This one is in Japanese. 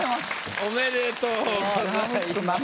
おめでとうございます。